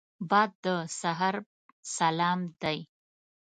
باد د سحر سلام دی